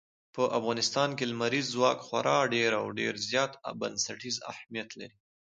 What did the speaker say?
په افغانستان کې لمریز ځواک خورا ډېر او ډېر زیات بنسټیز اهمیت لري.